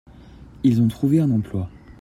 Ils ont trouvés un emploi.